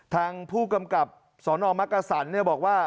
ทางผู้กำกับสอนออกมักกระสั่นเนี่ยบอกว่า